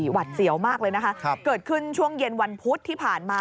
หวัดเสียวมากเลยนะคะเกิดขึ้นช่วงเย็นวันพุธที่ผ่านมา